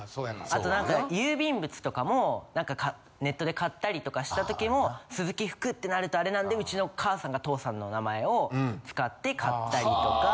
あと何か郵便物とかも何かネットで買ったりとかした時も鈴木福ってなるとあれなんでうちの母さんか父さんの名前を使って買ったりとか。